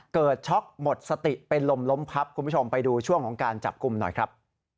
ช็อกหมดสติเป็นลมล้มพับคุณผู้ชมไปดูช่วงของการจับกลุ่มหน่อยครับ